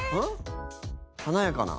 華やかな。